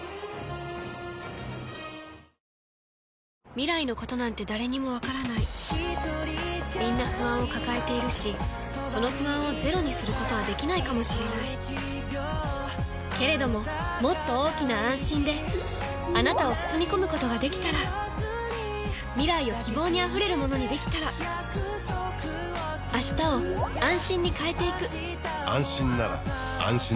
未来のことなんて誰にもわからないみんな不安を抱えているしその不安をゼロにすることはできないかもしれないけれどももっと大きな「あんしん」であなたを包み込むことができたら未来を希望にあふれるものにできたら変わりつづける世界に、「あんしん」を。